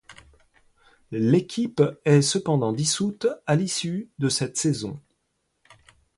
L'équipe est cependant dissoute à l'issue de cette saison.